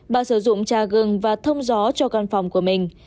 bà sử dụng trà gừng và thông gió cho con phòng của mình